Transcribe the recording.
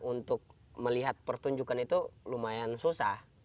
untuk melihat pertunjukan itu lumayan susah